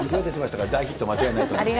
大ヒット間違いないと思います。